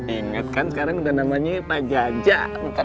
ingat kan sekarang udah namanya pak jaja